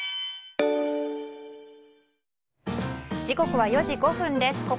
時刻は４時５分です。